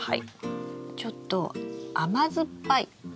ちょっと甘酸っぱい。